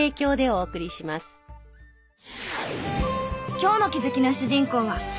今日の気づきの主人公は。